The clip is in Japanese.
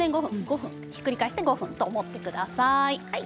ひっくり返して５分と思ってください。